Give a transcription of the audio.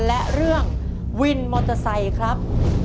และเรื่องวินมอเตอร์ไซค์ครับ